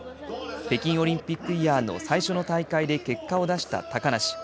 北京オリンピックイヤーの最初の大会で結果を出した高梨。